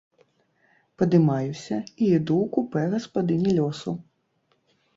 Падымаюся і іду ў купэ гаспадыні лёсу.